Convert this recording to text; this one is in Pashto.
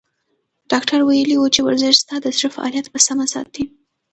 ډاکتر ویلي وو چې ورزش ستا د زړه فعالیت په سمه ساتي.